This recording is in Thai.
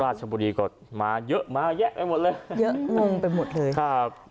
ราชบุรีก็มาเยอะมาแยะไปหมดเลยเยอะงงไปหมดเลยครับ